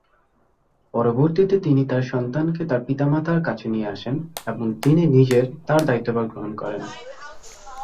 পরবর্তীতে তিনি তার সন্তানকে তার পিতামাতার কাছে নিয়ে আসেন এবং তিনি নিজের তার দায়িত্বভার গ্রহণ করেন।